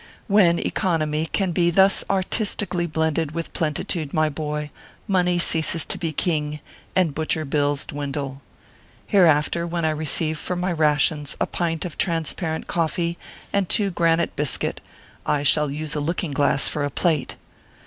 When economy can be thus artistically blended with plentitude, my boy, money ceases to be king, and butcher bills dwindle. Hereafter, when I re ceive for my rations a pint of % transparent coffee and two granite biscuit, I shall use a looking glass for a plate.